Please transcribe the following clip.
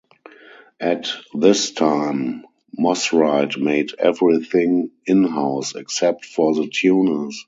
At this time, Mosrite made everything in-house, except for the tuners.